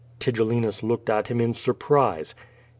Tigellinus looked at him in surprise.